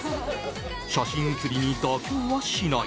写真写りに妥協はしない。